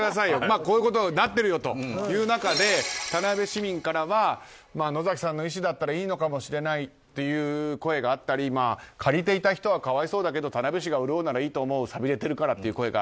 こういうことになっているよという中で田辺市民からは野崎さんの遺志だったらいいのかもしれないという声があったり借りていた人は可哀想だけど田辺市が潤うならいいと思う寂れているからという声が。